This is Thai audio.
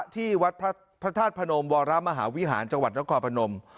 ที่วัดพระธาตุพนมวรมหาวิหารจังหวัดนครพนม